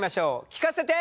聞かせて！